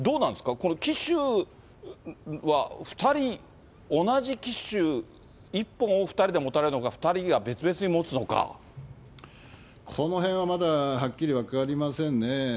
この旗手は２人同じ旗手１本を２人で持たれるのか、２人が別々にこのへんはまだはっきり分かりませんねぇ。